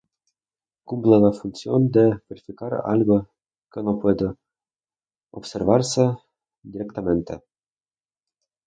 Cumple la función de verificar algo que no puede observarse directamente.